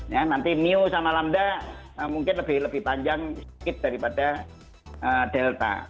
ya nanti new sama lamda mungkin lebih panjang sedikit daripada delta